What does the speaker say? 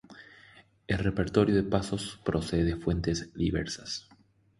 El repertorio de pasos procede de fuentes diversas.